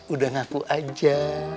udah ngaku aja